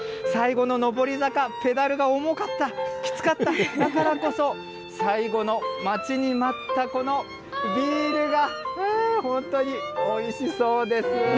最後の上り坂、ペダルが重かった、きつかった、だからこそ、最後の待ちに待ったこのビールが、本当においしそうです。